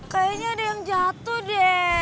kayaknya ada yang jatuh deh